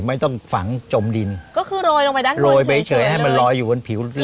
ไม่ต้องฝังจมดินก็คือโรยลงไปด้านข้างโรยไปเฉยให้มันลอยอยู่บนผิว